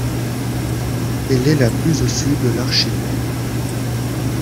Elle est la plus au sud de l'archipel.